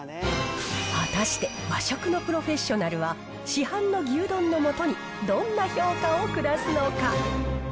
果たして和食のプロフェッショナルは、市販の牛丼の素にどんな評価を下すのか。